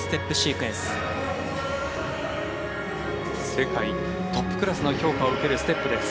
世界トップクラスの評価を受けるステップです。